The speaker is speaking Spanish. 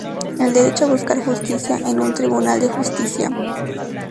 El derecho a buscar justicia en un tribunal de justicia.